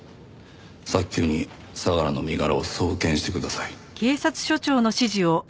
早急に相良の身柄を送検してください。